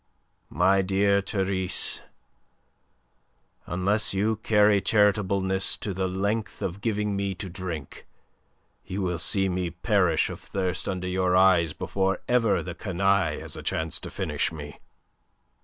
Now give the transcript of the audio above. "My dear Therese, unless you carry charitableness to the length of giving me to drink, you will see me perish of thirst under your eyes before ever the canaille has a chance to finish me."